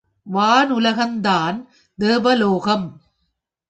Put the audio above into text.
வானுலகந் தான் தேவலோகம்.